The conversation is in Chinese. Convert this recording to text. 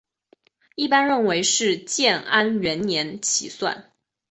一般认为是从建安元年起算。